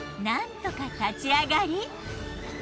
なんとか立ち上がり。